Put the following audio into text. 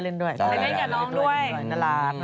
เล่นกับน้องด้วย